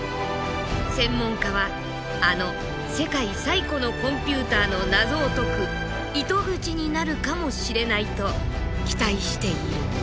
専門家はあの世界最古のコンピューターの謎を解く糸口になるかもしれないと期待している。